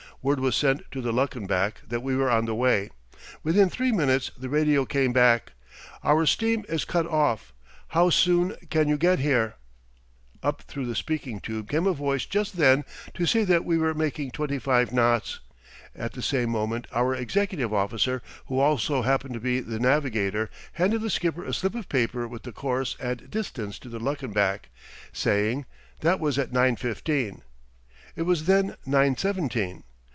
Word was sent to the Luckenbach that we were on the way. Within three minutes the radio came back: "Our steam is cut off. How soon can you get here?" Up through the speaking tube came a voice just then to say that we were making twenty five knots. At the same moment our executive officer, who also happened to be the navigator, handed the skipper a slip of paper with the course and distance to the Luckenbach, saying: "That was at nine fifteen." It was then nine seventeen.